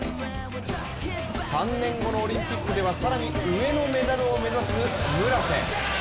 ３年後のオリンピックでは更に上のメダルを目指す村瀬。